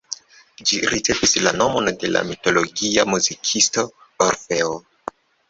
Ĝi ricevis la nomon de la mitologia muzikisto Orfeo.